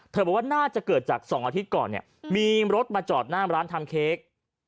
บอกว่าน่าจะเกิดจาก๒อาทิตย์ก่อนเนี่ยมีรถมาจอดหน้ามร้านทำเค้ก